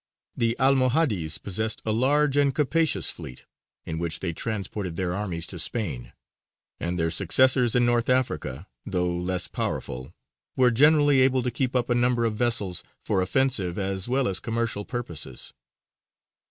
The Almohades possessed a large and capacious fleet, in which they transported their armies to Spain, and their successors in North Africa, though less powerful, were generally able to keep up a number of vessels for offensive as well as commercial purposes.